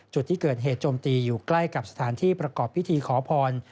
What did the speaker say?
จุดที่เกิดเหตุโจมตีอยู่ใกล้กับสถานที่ประกอบพิธีขอพร